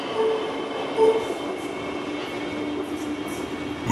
La mayoría de extranjeros viviendo en Fiyi por motivos laborales se encuentran en Suva.